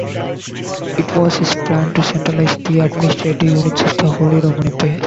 It was his plan to centralize the administrative units of the Holy Roman Empire.